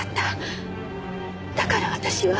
だから私は。